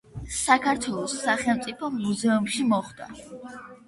საქართველოს სახელმწიფო მუზეუმში მოხვდა.